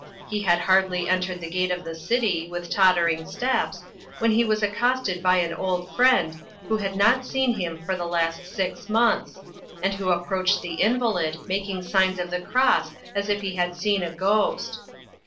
He had scarcely entered the gate of the city, with tottering steps, when he was accosted by an old friend who had not seen him for the last six months, and who approached the invalid, making signs of the cross as if he had seen a ghost.